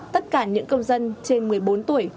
tất cả những công dân trên một mươi bốn tuổi